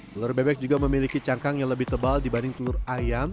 telur bebek juga memiliki cangkang yang lebih tebal dibanding telur ayam